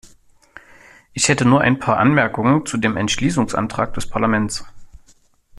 Ich hätte nur ein paar Anmerkungen zu dem Entschließungsantrag des Parlaments.